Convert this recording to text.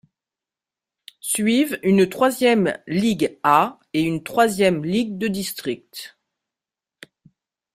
Suivent une troisième ligue 'A' et une troisième ligue de district.